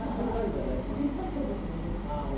ピスタチオとかもありますよ。